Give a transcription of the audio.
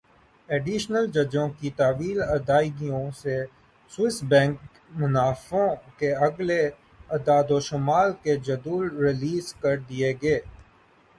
additional ججوں کی طویل ادائیگیوں سے سوئس بینک منافعوں کے اگلے اعدادوشمار کے جدول ریلیز کر دیے گئے